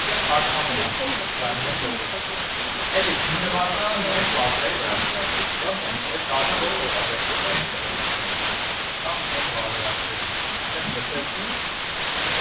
Երբեմն արտահայտությունն օգտագործվում է որպես համընդհանուր պատերազմի անհրաժեշտության քողարկված հղում։